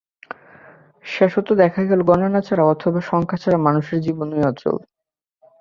শেষত দেখা গেল, গণনা ছাড়া অথবা সংখ্যা ছাড়া মানুষের জীবনই অচল।